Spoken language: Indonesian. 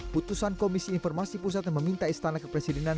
putusan komisi informasi pusat yang meminta istana kepresidenan